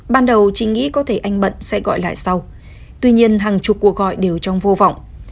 ban đầu chị nghĩ có thể anh bận sẽ gọi lại sau tuy nhiên hàng chục cuộc gọi đều trong vô vọng